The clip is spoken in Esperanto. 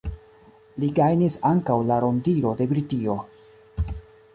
Li gajnis ankaŭ la rondiro de Britio.